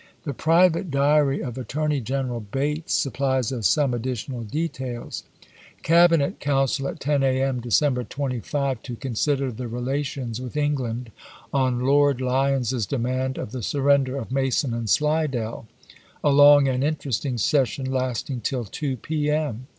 The private diary of Attorney General Bates sup plies us some additional details :" Cabinet council at 10 A. M., December 25, to consider the relations isei. with England on Lord Lyons's demand of the sur render of Mason and Slidell ; a long and interest ing session, lasting till 2 p. m.